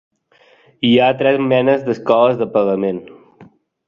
Hi ha tres menes d'escoles de pagament.